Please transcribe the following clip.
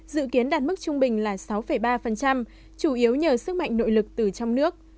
dự kiến đạt mức trung bình là sáu ba chủ yếu nhờ sức mạnh nội lực từ trong nước